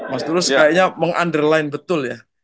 mas tulus kayaknya meng underline betul ya